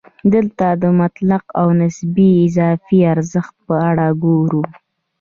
دلته د مطلق او نسبي اضافي ارزښت په اړه ګورو